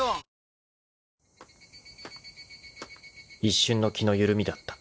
［一瞬の気の緩みだった］